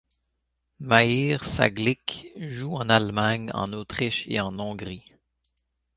Mahir Sağlık joue en Allemagne, en Autriche, et en Hongrie.